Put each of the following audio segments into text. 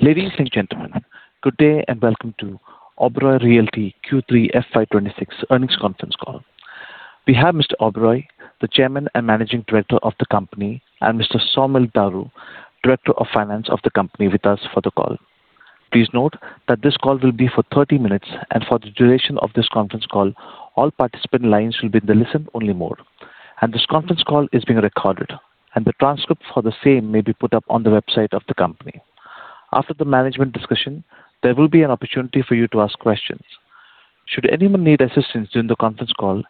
Ladies and gentlemen, good day and welcome to Oberoi Realty Q3 FY 2026 earnings conference call. We have Mr. Oberoi, the Chairman and Managing Director of the company, and Mr. Saumil Daru, Director of Finance of the company, with us for the call. Please note that this call will be for 30 minutes, and for the duration of this conference call, all participant lines will be in the listen-only mode, and this conference call is being recorded, and the transcript for the same may be put up on the website of the company. After the management discussion, there will be an opportunity for you to ask questions. Should anyone need assistance during the conference call,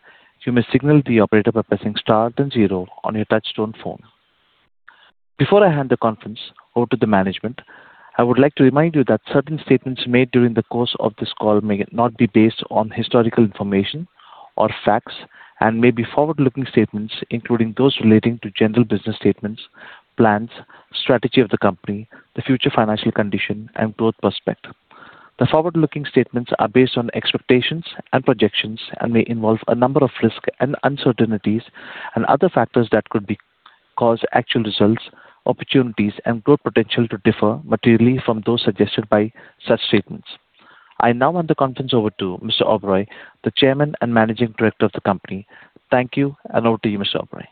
you may signal the operator by pressing star then zero on your touch-tone phone. Before I hand the conference over to the management, I would like to remind you that certain statements made during the course of this call may not be based on historical information or facts and may be forward-looking statements, including those relating to general business statements, plans, strategy of the company, the future financial condition, and growth prospect. The forward-looking statements are based on expectations and projections and may involve a number of risks and uncertainties and other factors that could cause actual results, opportunities, and growth potential to differ materially from those suggested by such statements. I now hand the conference over to Mr. Oberoi, the Chairman and Managing Director of the company. Thank you, and over to you, Mr. Oberoi.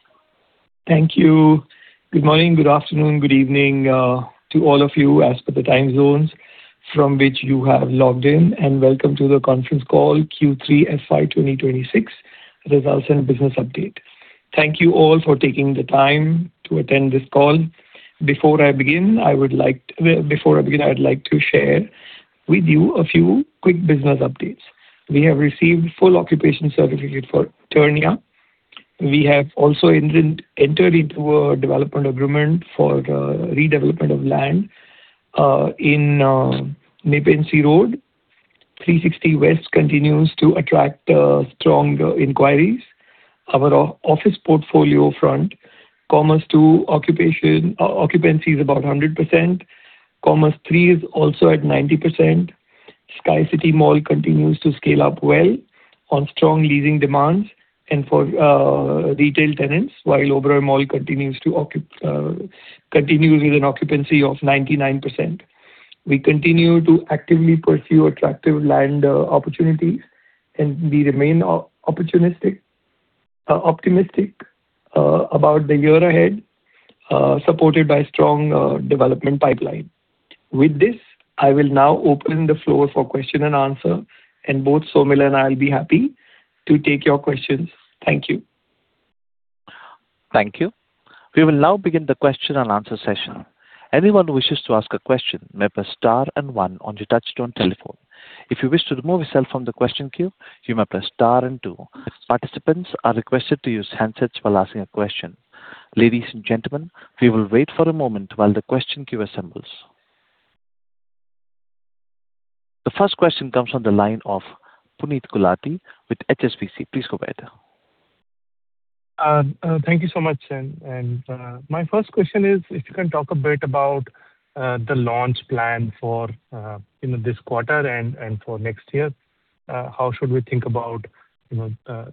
Thank you. Good morning, good afternoon, good evening to all of you as per the time zones from which you have logged in, and welcome to the conference call Q3 FY 2026 Results and Business Update. Thank you all for taking the time to attend this call. Before I begin, I'd like to share with you a few quick business updates. We have received full occupation certificate for Eternia. We have also entered into a development agreement for redevelopment of land in Nepean Sea Road. 360 West continues to attract strong inquiries. Our office portfolio front, Commerz II occupancy is about 100%. Commerz III is also at 90%. Sky City Mall continues to scale up well on strong leasing demands and for retail tenants, while Oberoi Mall continues with an occupancy of 99%. We continue to actively pursue attractive land opportunities, and we remain optimistic about the year ahead, supported by a strong development pipeline. With this, I will now open the floor for question and answer, and both Saumil and I will be happy to take your questions. Thank you. Thank you. We will now begin the question and answer session. Anyone who wishes to ask a question may press star and one on your touch-tone telephone. If you wish to remove yourself from the question queue, you may press star and two. Participants are requested to use handsets while asking a question. Ladies and gentlemen, we will wait for a moment while the question queue assembles. The first question comes from the line of Puneet Gulati with HSBC. Please go ahead. Thank you so much. And my first question is, if you can talk a bit about the launch plan for this quarter and for next year, how should we think about the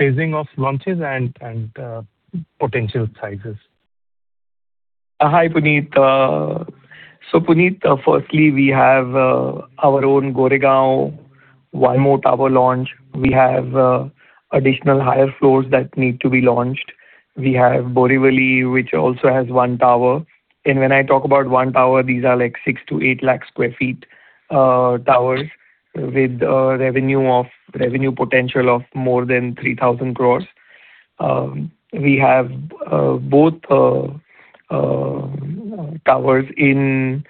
phasing of launches and potential sizes? Hi, Puneet. So Puneet, firstly, we have our own Goregaon one more tower launch. We have additional higher floors that need to be launched. We have Borivali, which also has one tower. And when I talk about one tower, these are like six to eight lakh sq ft towers with a revenue potential of more than 3,000 crores. We have both towers in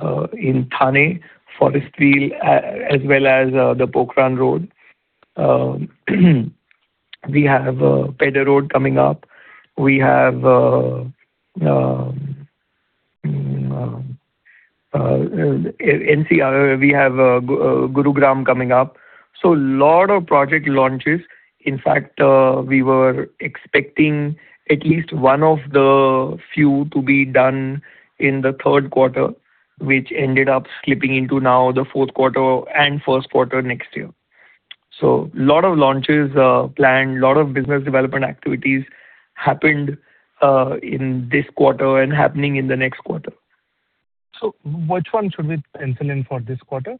Thane, Forestville, as well as the Pokhran Road. We have Pedder Road coming up. We have NCR, we have Gurugram coming up. So a lot of project launches. In fact, we were expecting at least one of the few to be done in the Q3, which ended up slipping into now the Q4 and Q1 next year. So a lot of launches planned, a lot of business development activities happened in this quarter and happening in the next quarter. So which one should we pencil in for this quarter?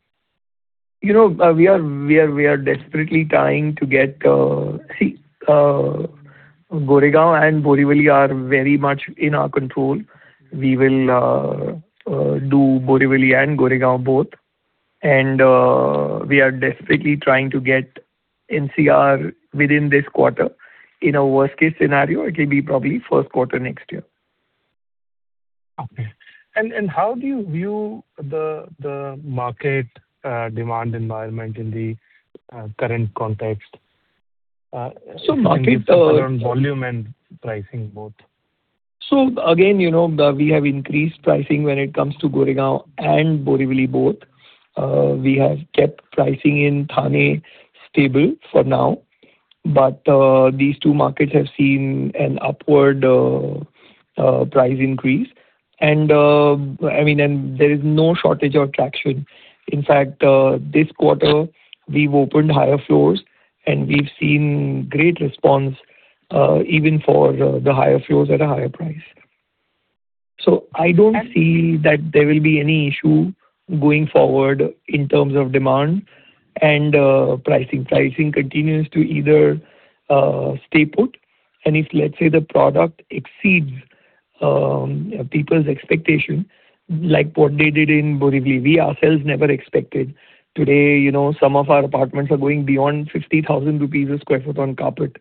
We are desperately trying to get Goregaon and Borivali are very much in our control. We will do Borivali and Goregaon both, and we are desperately trying to get NCR within this quarter. In a worst-case scenario, it will be probably Q1 next year. Okay. And how do you view the market demand environment in the current context? So market. In terms of volume and pricing both? So again, we have increased pricing when it comes to Goregaon and Borivali both. We have kept pricing in Thane stable for now, but these two markets have seen an upward price increase. And I mean, there is no shortage of traction. In fact, this quarter, we've opened higher floors, and we've seen great response even for the higher floors at a higher price. So I don't see that there will be any issue going forward in terms of demand and pricing. Pricing continues to either stay put, and if, let's say, the product exceeds people's expectation, like what they did in Borivali, we ourselves never expected. Today, some of our apartments are going beyond 50,000 rupees a sq ft on carpet.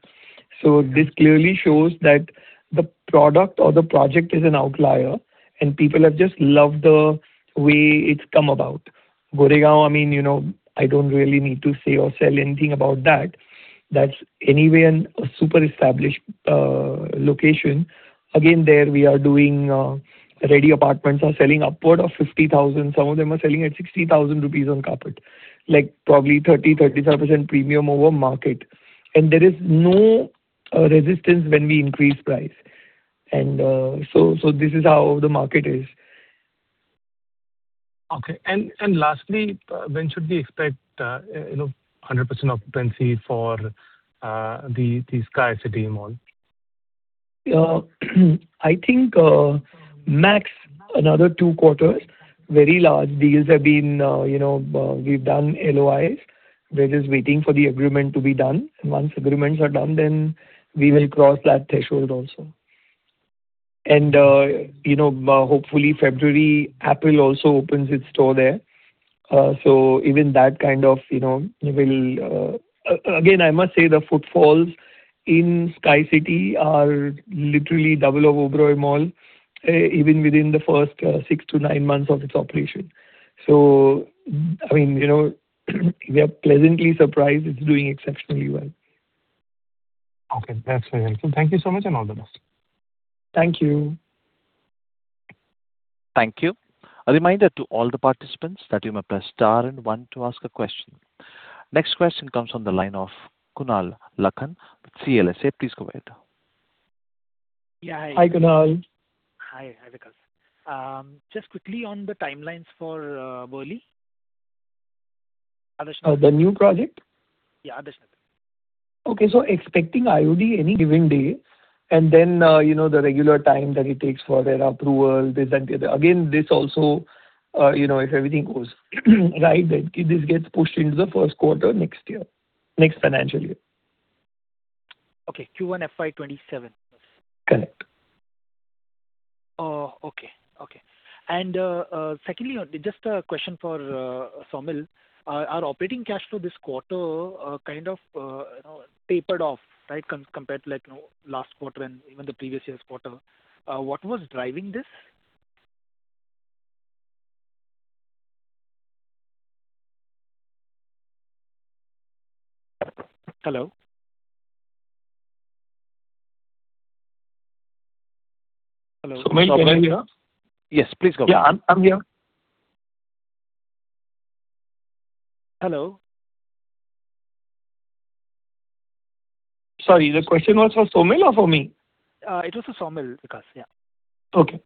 So this clearly shows that the product or the project is an outlier, and people have just loved the way it's come about. Goregaon, I mean, I don't really need to say or sell anything about that. That's anyway a super established location. Again, there we are doing ready apartments are selling upward of 50,000. Some of them are selling at 60,000 rupees on carpet, like probably 30-35% premium over market. And there is no resistance when we increase price. And so this is how the market is. Okay, and lastly, when should we expect 100% occupancy for the Sky City Mall? I think max another two quarters. Very large deals have been we've done LOIs. We're just waiting for the agreement to be done. And once agreements are done, then we will cross that threshold also. And hopefully, February, April also opens its store there. So even that kind of will again, I must say the footfalls in Sky City are literally double of Oberoi Mall, even within the first six to nine months of its operation. So I mean, we are pleasantly surprised it's doing exceptionally well. Okay. That's very helpful. Thank you so much and all the best. Thank you. Thank you. A reminder to all the participants that you may press star and one to ask a question. Next question comes from the line of Kunal Lakhan, CLSA. Please go ahead. Yeah. Hi. Hi, Kunal. Hi. Hi, Vikas. Just quickly on the timelines for Borivali? The new project? Yeah. Additional. Okay, so expecting IOD any given day, and then the regular time that it takes for their approval, this and the other. Again, this also, if everything goes right, then this gets pushed into the Q1 next year, next financial year. Okay. Q1 FY 2027. Correct. Oh, okay. Okay. And secondly, just a question for Saumil. Our operating cash flow this quarter kind of tapered off, right, compared to last quarter and even the previous year's quarter. What was driving this? Hello? Hello? Saumil, you there? Yes, please go ahead. Yeah. I'm here. Hello? Sorry. The question was for Saumil or for me? It was for Saumil, Vikas. Yeah. Okay.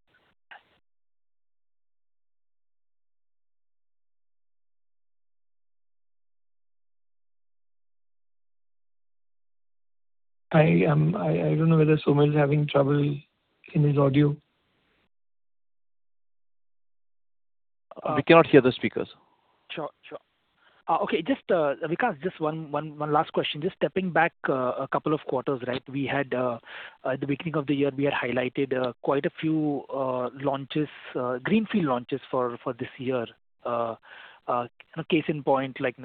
I don't know whether Saumil is having trouble in his audio. We cannot hear the speakers. Sure. Sure. Okay. Vikas, just one last question. Just stepping back a couple of quarters, right, at the beginning of the year, we had highlighted quite a few launches, greenfield launches for this year. Case in point, like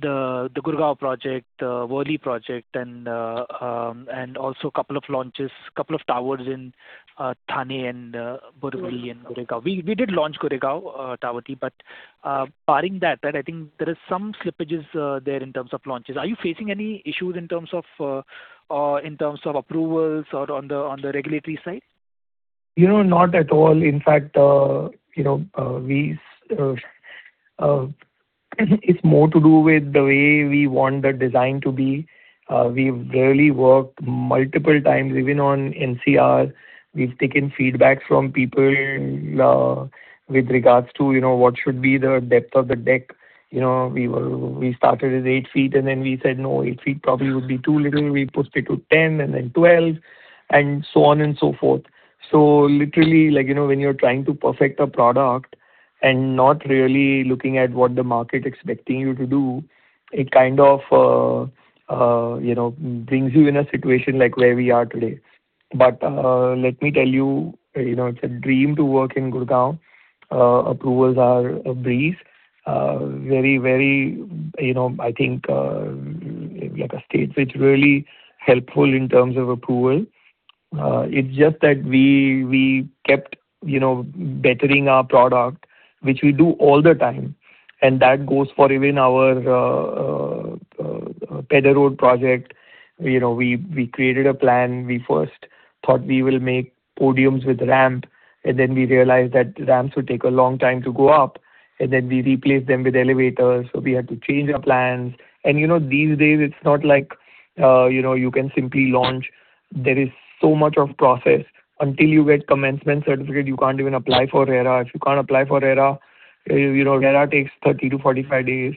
the Gurugram project, the Worli project, and also a couple of launches, a couple of towers in Thane and Borivali and Goregaon. We did launch Goregaon Tower D, but barring that, I think there are some slippages there in terms of launches. Are you facing any issues in terms of approvals or on the regulatory side? Not at all. In fact, it's more to do with the way we want the design to be. We've really worked multiple times even on NCR. We've taken feedback from people with regards to what should be the depth of the deck. We started with eight feet, and then we said, "No, eight feet probably would be too little." We pushed it to 10 and then 12 and so on and so forth. So literally, when you're trying to perfect a product and not really looking at what the market is expecting you to do, it kind of brings you in a situation like where we are today. But let me tell you, it's a dream to work in Gurugram. Approvals are a breeze. Very, very, I think, like a state which is really helpful in terms of approval. It's just that we kept bettering our product, which we do all the time, and that goes for even our Pedder Road project. We created a plan. We first thought we will make podiums with ramp, and then we realized that ramps would take a long time to go up, and then we replaced them with elevators, so we had to change our plans, and these days, it's not like you can simply launch. There is so much of process. Until you get commencement certificate, you can't even apply for RERA. If you can't apply for RERA, RERA takes 30 to 45 days,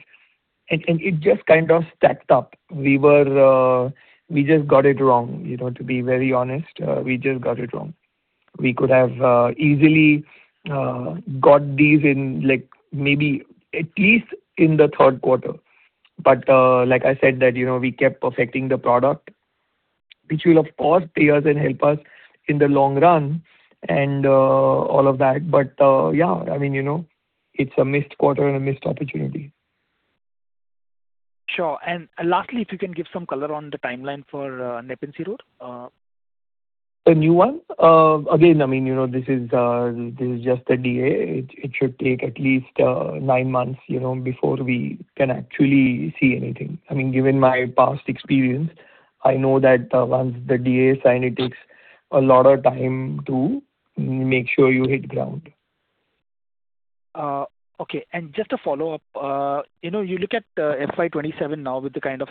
and it just kind of stacked up. We just got it wrong, to be very honest. We just got it wrong. We could have easily got these in maybe at least in the Q3. But like I said, we kept perfecting the product, which will, of course, pay us and help us in the long run and all of that. But yeah, I mean, it's a missed quarter and a missed opportunity. Sure. And lastly, if you can give some color on the timeline for Nepean Sea Road? The new one? Again, I mean, this is just the DA. It should take at least nine months before we can actually see anything. I mean, given my past experience, I know that once the DA is signed, it takes a lot of time to make sure you hit ground. Okay. And just a follow-up. You look at FY 2027 now with the kind of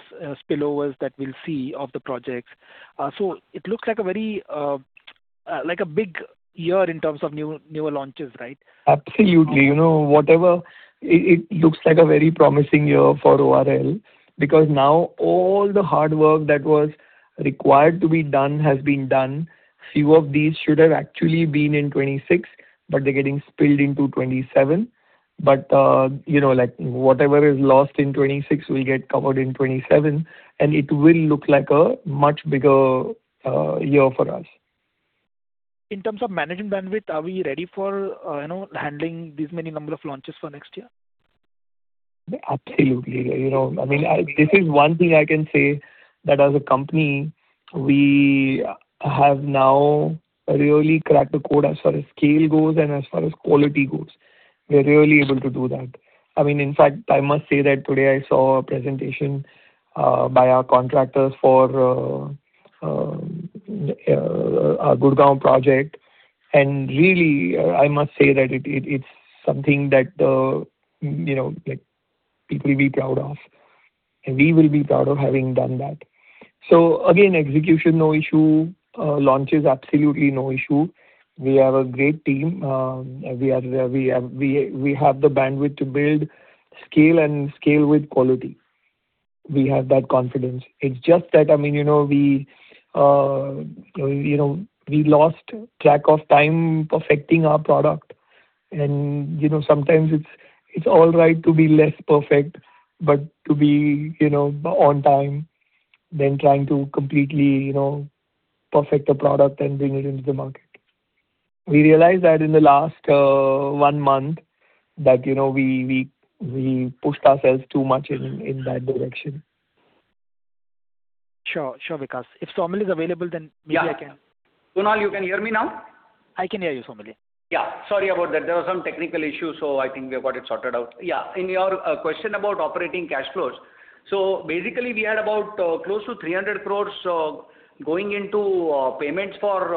spillovers that we'll see of the projects. So it looks like a big year in terms of newer launches, right? Absolutely. It looks like a very promising year for ORL because now all the hard work that was required to be done has been done. Few of these should have actually been in 2026, but they're getting spilled into 2027. But whatever is lost in 2026 will get covered in 2027, and it will look like a much bigger year for us. In terms of management bandwidth, are we ready for handling this many number of launches for next year? Absolutely. I mean, this is one thing I can say that as a company, we have now really cracked the code as far as scale goes and as far as quality goes. We're really able to do that. I mean, in fact, I must say that today I saw a presentation by our contractors for our Gurugram project. And really, I must say that it's something that people will be proud of, and we will be proud of having done that. So again, execution, no issue. Launches, absolutely no issue. We have a great team. We have the bandwidth to build scale and scale with quality. We have that confidence. It's just that, I mean, we lost track of time perfecting our product. And sometimes it's all right to be less perfect, but to be on time than trying to completely perfect a product and bring it into the market. We realized that in the last one month that we pushed ourselves too much in that direction. Sure. Sure, Vikas. If Saumil is available, then maybe I can. Yeah. Kunal, you can hear me now? I can hear you, Saumil. Yeah. Sorry about that. There were some technical issues, so I think we have got it sorted out. Yeah. In your question about operating cash flows, so basically, we had about close to 300 crores going into payments for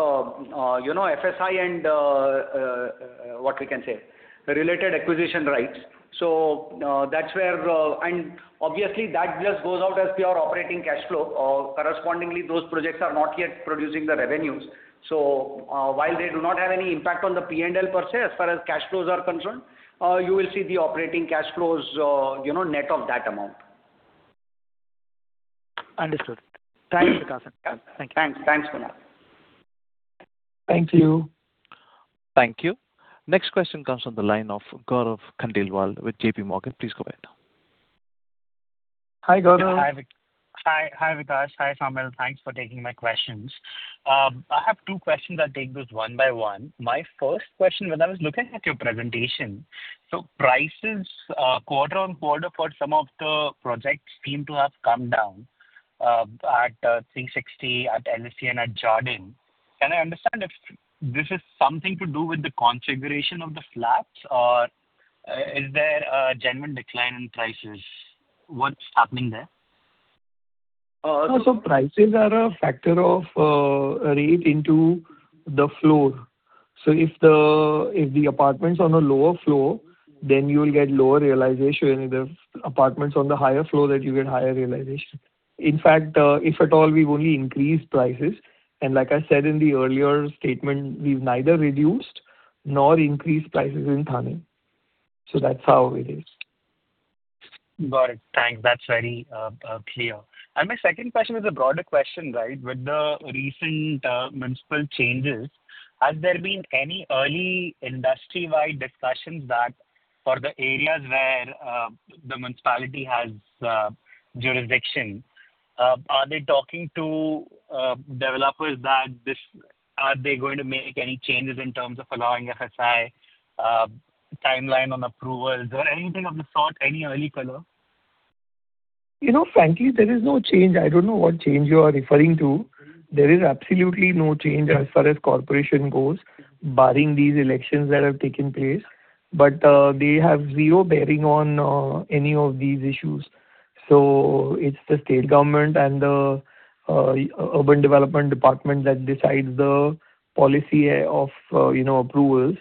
FSI and what we can say, related acquisition rights. So that's where and obviously, that just goes out as pure operating cash flow. Correspondingly, those projects are not yet producing the revenues. So while they do not have any impact on the P&L per se, as far as cash flows are concerned, you will see the operating cash flows net of that amount. Understood. Thanks, Vikas. Thank you. Thanks, Kunal. Thank you. Thank you. Next question comes from the line of Gaurav Khandelwal with J.P. Morgan. Please go ahead. Hi, Gaurav. Hi, Vikas. Hi, Saumil. Thanks for taking my questions. I have two questions. I'll take those one by one. My first question, when I was looking at your presentation, so prices quarter on quarter for some of the projects seem to have come down at 360, at LSC, and at Jardin. Can I understand if this is something to do with the configuration of the flats or is there a genuine decline in prices? What's happening there? Prices are a factor of the rate in the floor. If the apartments are on a lower floor, then you will get lower realization. If the apartments are on the higher floor, then you get higher realization. In fact, if at all, we've only increased prices. Like I said in the earlier statement, we've neither reduced nor increased prices in Thane. That's how it is. Got it. Thanks. That's very clear, and my second question is a broader question, right? With the recent municipal changes, have there been any early industry-wide discussions that, for the areas where the municipality has jurisdiction, are they talking to developers that they are going to make any changes in terms of allowing FSI, timeline on approvals, or anything of the sort, any early color? Frankly, there is no change. I don't know what change you are referring to. There is absolutely no change as far as corporation goes, barring these elections that have taken place. But they have zero bearing on any of these issues. So it's the state government and the Urban Development Department that decides the policy of approvals.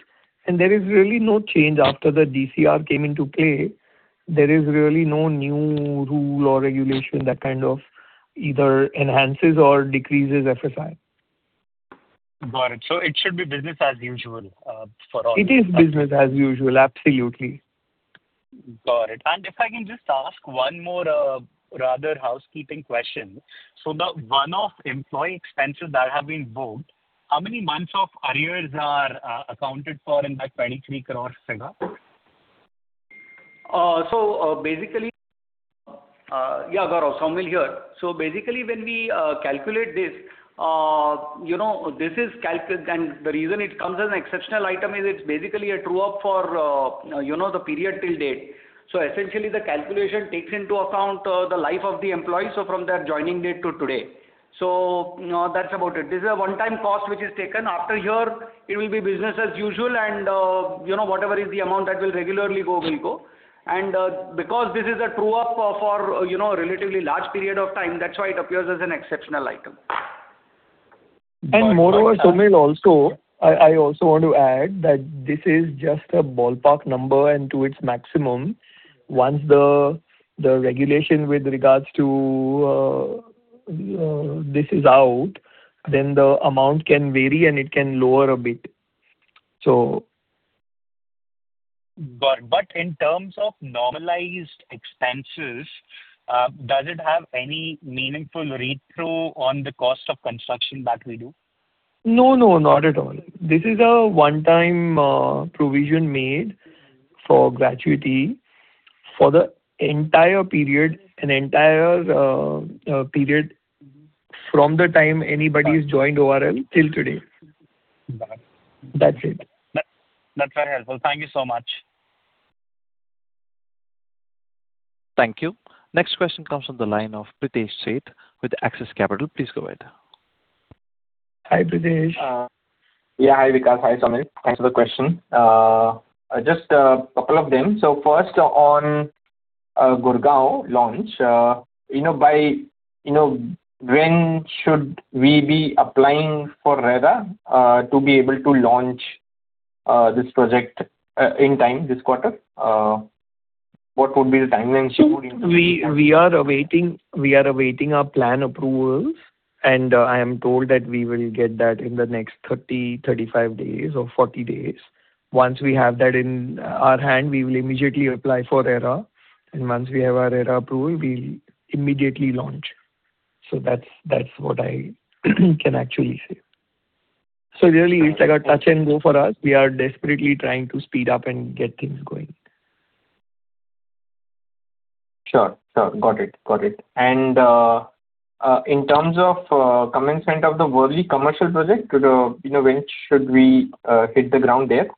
And there is really no change after the DCR came into play. There is really no new rule or regulation that kind of either enhances or decreases FSI. Got it. So it should be business as usual for all. It is business as usual. Absolutely. Got it. And if I can just ask one more rather housekeeping question. So the one-off employee expenses that have been booked, how many months of arrears are accounted for in that 23 crores figure? So basically, yeah Gaurav, Saumil here. So basically, when we calculate this, this is, and the reason it comes as an exceptional item is it's basically a true-up for the period till date. So essentially, the calculation takes into account the life of the employee, so from their joining date to today. So that's about it. This is a one-time cost which is taken. After here, it will be business as usual, and whatever is the amount that will regularly go will go, and because this is a true-up for a relatively large period of time, that's why it appears as an exceptional item. And moreover, Saumil also, I also want to add that this is just a ballpark number and to its maximum. Once the regulation with regards to this is out, then the amount can vary and it can lower a bit, so. Got it. But in terms of normalized expenses, does it have any meaningful retro on the cost of construction that we do? No, no, not at all. This is a one-time provision made for gratuity for the entire period, an entire period from the time anybody has joined ORL till today. That's it. That's very helpful. Thank you so much. Thank you. Next question comes from the line of Pritesh Sheth with Axis Capital. Please go ahead. Hi, Pritesh. Yeah, hi, Vikas. Hi, Saumil. Thanks for the question. Just a couple of them. So first, on Gurugram launch, by when should we be applying for RERA to be able to launch this project in time, this quarter? What would be the timeline? We are awaiting our plan approvals, and I am told that we will get that in the next 30, 35 days, or 40 days. Once we have that in our hand, we will immediately apply for RERA, and once we have our RERA approval, we'll immediately launch, so that's what I can actually say, so really, it's like a touch-and-go for us. We are desperately trying to speed up and get things going. Sure. Got it. And in terms of commencement of the Worli commercial project, when should we hit the ground there?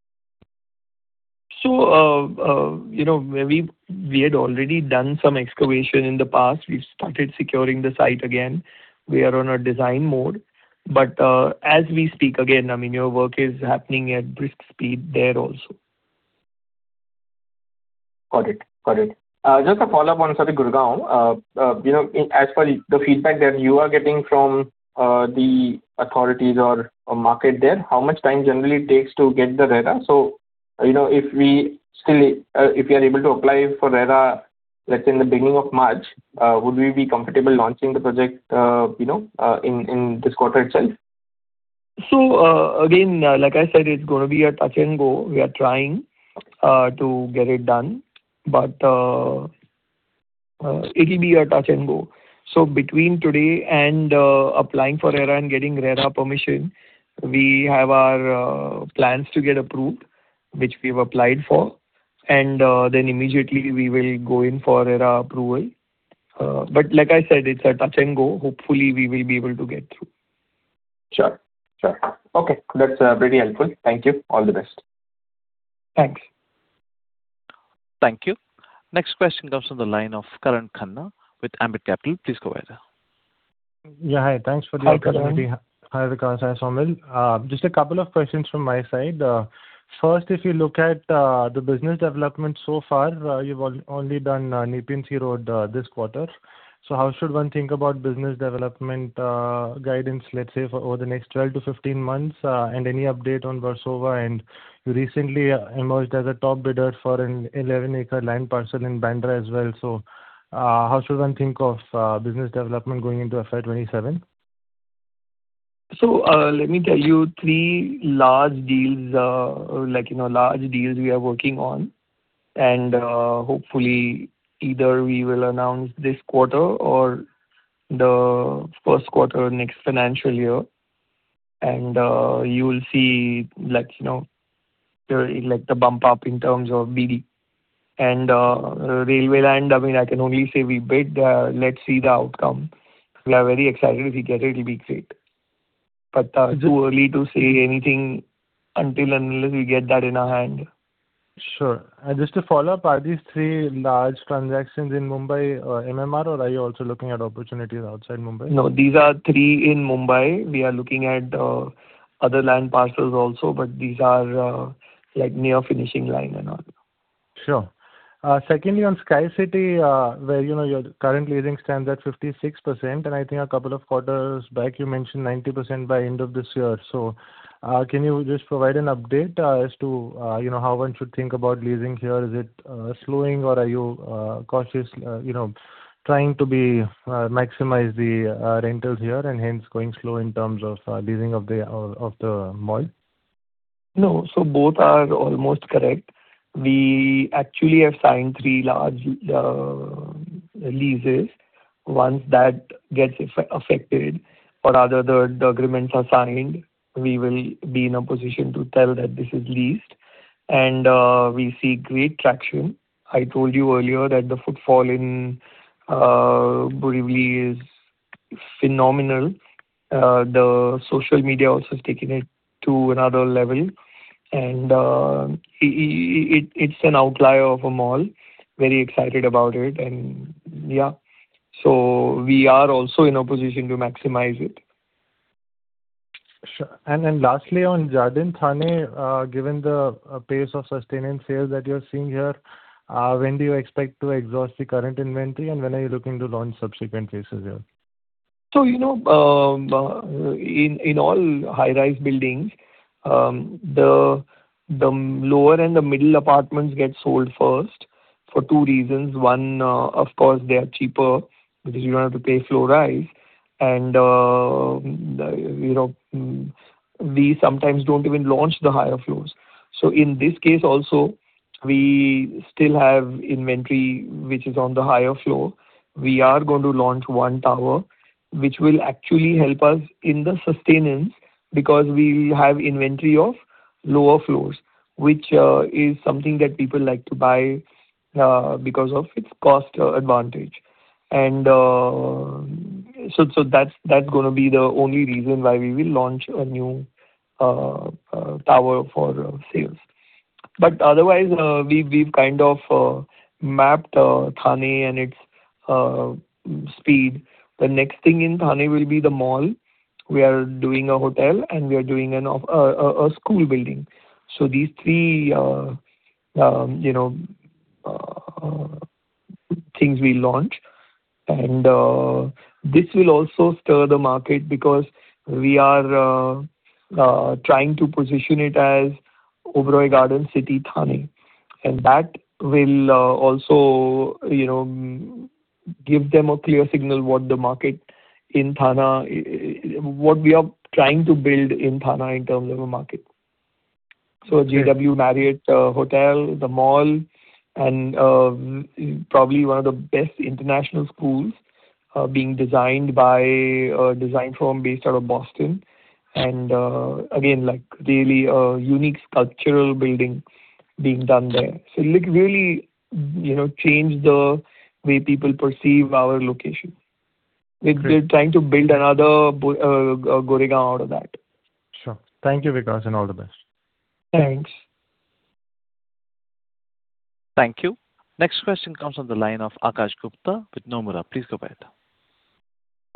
So we had already done some excavation in the past. We've started securing the site again. We are on a design mode. But as we speak, again, I mean, your work is happening at brisk speed there also. Got it. Got it. Just a follow-up on, sorry, Gurugram. As for the feedback that you are getting from the authorities or market there, how much time generally takes to get the RERA? So if we are able to apply for RERA, let's say, in the beginning of March, would we be comfortable launching the project in this quarter itself? So again, like I said, it's going to be a touch-and-go. We are trying to get it done, but it will be a touch-and-go, so between today and applying for RERA and getting RERA permission, we have our plans to get approved, which we have applied for, and then immediately, we will go in for RERA approval, but like I said, it's a touch-and-go. Hopefully, we will be able to get through. Sure. Sure. Okay. That's really helpful. Thank you. All the best. Thanks. Thank you. Next question comes from the line of Karan Khanna with Ambit Capital. Please go ahead. Yeah. Hi. Thanks for the opportunity. Hi, Vikas. Hi, Saumil. Just a couple of questions from my side. First, if you look at the business development so far, you've only done Nepean Sea Road this quarter. So how should one think about business development guidance, let's say, for over the next 12 to 15 months and any update on Versova? And you recently emerged as a top bidder for an 11-acre land parcel in Bandra as well. So how should one think of business development going into FY 2027? So let me tell you three large deals, large deals we are working on. And hopefully, either we will announce this quarter or the Q1 next financial year. And you will see the bump up in terms of BD. And railway land, I mean, I can only say we bid. Let's see the outcome. We are very excited. If we get it, it will be great. But too early to say anything until unless we get that in our hand. Sure. And just to follow up, are these three large transactions in Mumbai MMR, or are you also looking at opportunities outside Mumbai? No, these are three in Mumbai. We are looking at other land parcels also, but these are near finishing line and all. Sure. Secondly, on Sky City, where your current leasing stands at 56%, and I think a couple of quarters back, you mentioned 90% by end of this year. So can you just provide an update as to how one should think about leasing here? Is it slowing, or are you cautious trying to maximize the rentals here and hence going slow in terms of leasing of the mall? No. So both are almost correct. We actually have signed three large leases. Once that gets affected or other agreements are signed, we will be in a position to tell that this is leased. And we see great traction. I told you earlier that the footfall in Borivali is phenomenal. The social media also has taken it to another level. And it's an outlier of a mall. Very excited about it. And yeah. So we are also in a position to maximize it. Sure. And then lastly, on Jardin Thane, given the pace of sustained sales that you're seeing here, when do you expect to exhaust the current inventory, and when are you looking to launch subsequent phases here? In all high-rise buildings, the lower and the middle apartments get sold first for two reasons. One, of course, they are cheaper because you don't have to pay floor rise. And we sometimes don't even launch the higher floors. In this case also, we still have inventory which is on the higher floor. We are going to launch one tower, which will actually help us in the sustenance because we have inventory of lower floors, which is something that people like to buy because of its cost advantage. And so that's going to be the only reason why we will launch a new tower for sales. But otherwise, we've kind of mapped Thane and its speed. The next thing in Thane will be the mall. We are doing a hotel, and we are doing a school building. These three things we launch. This will also stir the market because we are trying to position it as Oberoi Garden City Thane. That will also give them a clear signal what the market in Thane what we are trying to build in Thane in terms of a market. JW Marriott Hotel, the mall, and probably one of the best international schools being designed by a design firm based out of Boston. Again, really a unique sculptural building being done there. It really changed the way people perceive our location. We are trying to build another Gurugram out of that. Sure. Thank you, Vikas, and all the best. Thanks. Thank you. Next question comes from the line of Akash Gupta with Nomura. Please go ahead.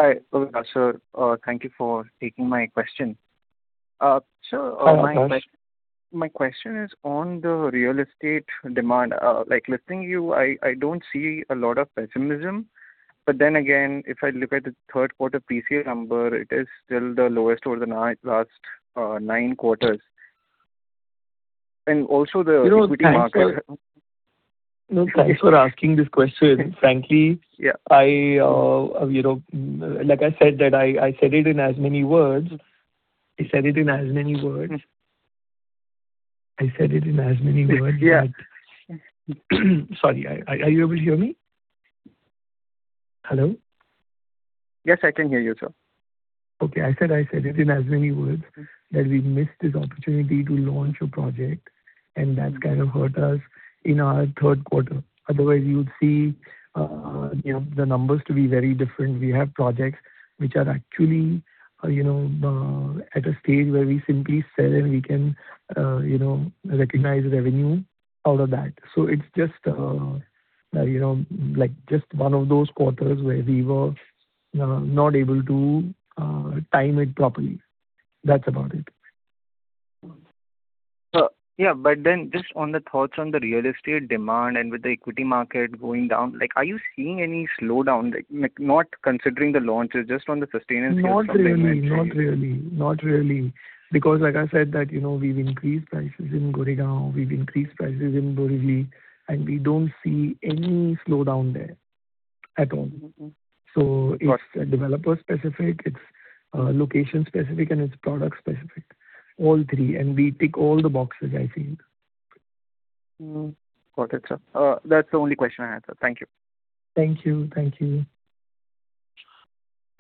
Hi, Vikas. So thank you for taking my question. Sure. My question is on the real estate demand. Listening to you, I don't see a lot of pessimism. But then again, if I look at the Q3 PCA number, it is still the lowest over the last nine quarters, and also the equity market. No, thanks for asking this question. Frankly, like I said, I said it in as many words. Sorry. Are you able to hear me? Hello? Yes, I can hear you, sir. Okay. I said it in as many words that we missed this opportunity to launch a project, and that's kind of hurt us in our Q3. Otherwise, you would see the numbers to be very different. We have projects which are actually at a stage where we simply sell, and we can recognize revenue out of that. So it's just like one of those quarters where we were not able to time it properly. That's about it. Yeah. But then just on the thoughts on the real estate demand and with the equity market going down, are you seeing any slowdown, not considering the launches, just on the sustenance? Not really. Not really. Not really. Because like I said, we've increased prices in Gurgaon. We've increased prices in Borivali, and we don't see any slowdown there at all. So it's developer-specific, it's location-specific, and it's product-specific, all three, and we tick all the boxes, I think. Got it, sir. That's the only question I had. Thank you. Thank you. Thank you.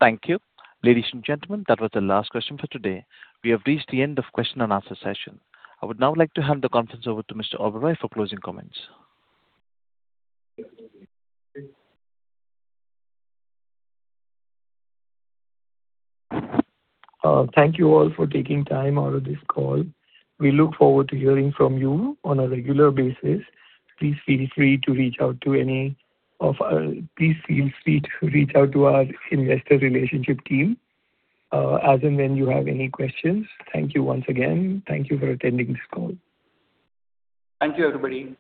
Thank you. Ladies and gentlemen, that was the last question for today. We have reached the end of the question and answer session. I would now like to hand the conference over to Mr. Oberoi for closing comments. Thank you all for taking time out of this call. We look forward to hearing from you on a regular basis. Please feel free to reach out to our investor relationship team. When you have any questions, thank you once again. Thank you for attending this call. Thank you, everybody.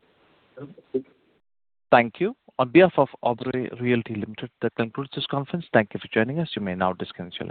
Thank you. On behalf of Oberoi Realty Limited, that concludes this conference. Thank you for joining us. You may now disconnect from.